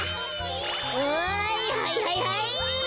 はいはいはいはい！